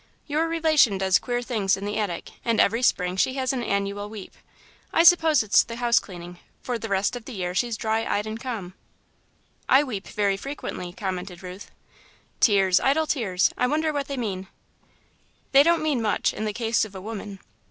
Your relation does queer things in the attic, and every Spring, she has an annual weep. I suppose it's the house cleaning, for the rest of the year she's dry eyed and calm." "I weep very frequently," commented Ruth. "'Tears, idle tears I wonder what they mean.'" "They don't mean much, in the case of a woman."